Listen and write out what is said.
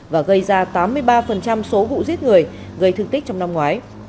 và gây ra tám mươi ba số vụ giết người gây thương tích trong năm ngoái